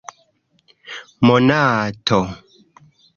monato